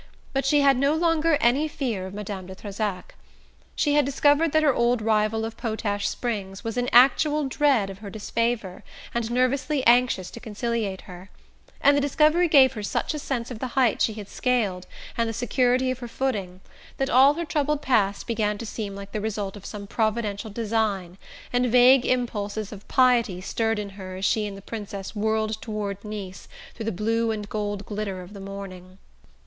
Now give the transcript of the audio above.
But she had no longer any fear of Madame de Trezac. She had discovered that her old rival of Potash Springs was in actual dread of her disfavour, and nervously anxious to conciliate her, and the discovery gave her such a sense of the heights she had scaled, and the security of her footing, that all her troubled past began to seem like the result of some providential "design," and vague impulses of piety stirred in her as she and the Princess whirled toward Nice through the blue and gold glitter of the morning.